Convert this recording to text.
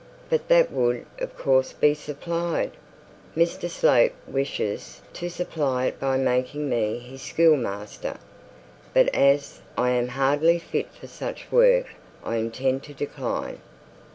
'But that would of course be supplied.' 'Mr Slope wishes to supply it by making me his schoolmaster. But as I am hardly fit for such work, I intend to decline.'